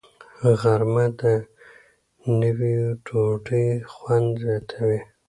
غرمه د نیوي ډوډۍ خوند زیاتوي